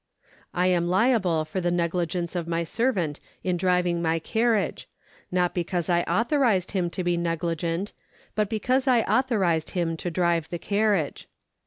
I am liable for the negligence of my servant in driving my carriage, not because I authorised him to be negligent, but because I authorised him to drive the carriage.